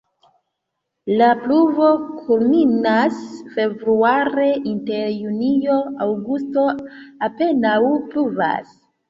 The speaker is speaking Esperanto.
La pluvo kulminas februare, inter junio-aŭgusto apenaŭ pluvas.